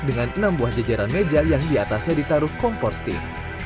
dengan enam buah jejaran meja yang diatasnya ditaruh kompor steak